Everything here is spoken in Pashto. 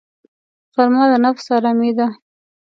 غرمه د نفس آرامي ده